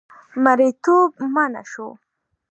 مریتوب منع شو.